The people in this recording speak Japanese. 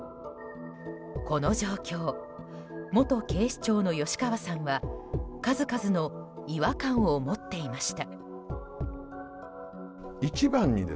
この状況、元警視庁の吉川さんは数々の違和感を持っていました。